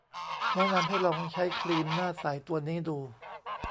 แนะนำให้ลองใช้ครีมหน้าใสตัวนี้ดู